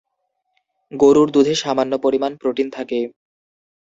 গরুর দুধে সামান্য পরিমাণ প্রোটিন থাকে।